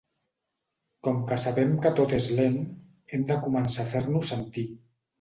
“Com que sabem que tot és lent, hem de començar a fer-nos sentir”.